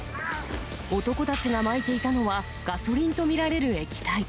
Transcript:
男たちがまいていたのは、ガソリンと見られる液体。